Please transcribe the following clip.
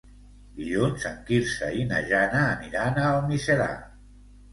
Dilluns en Quirze i na Jana aniran a Almiserà.